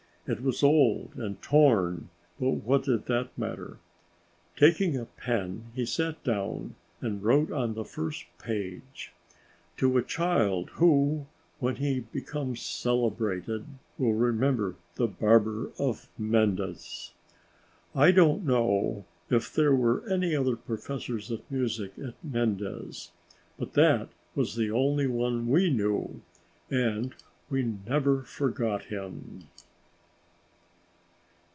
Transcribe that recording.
It was old and torn, but what did that matter? Taking a pen, he sat down and wrote on the first page: "To a child who, when he becomes celebrated, will remember the barber of Mendes." I don't know if there were any other professors of music at Mendes, but that was the only one we knew, and we never forgot him.